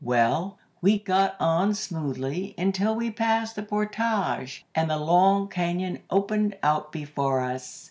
"Well, we got on smoothly until we passed the portage, and the Long Cañon opened out before us.